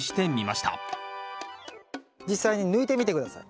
実際に抜いてみて下さい。